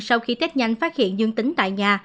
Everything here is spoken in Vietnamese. sau khi tết nhanh phát hiện dương tính tại nhà